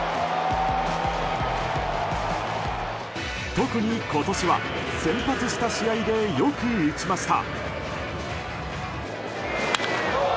特に今年は、先発した試合でよく打ちました。